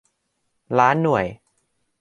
ล้านหน่วย